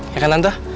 ya kan tante